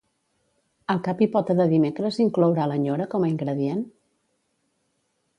El cap i pota de dimecres inclourà la nyora com a ingredient?